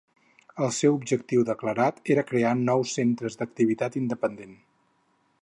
El seu objectiu declarat era crear nous centres d'activitat independent.